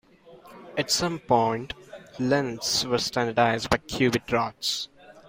At some point, lengths were standardized by cubit rods.